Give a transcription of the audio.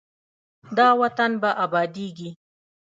دا وطن به ابادیږي.